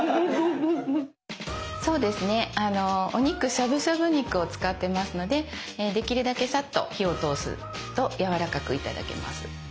そうですねお肉しゃぶしゃぶ肉を使ってますのでできるだけさっと火を通すとやわらかく頂けます。